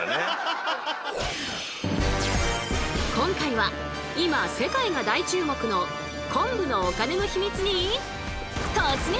今回は今世界が大注目の「昆布」のお金のヒミツに突撃！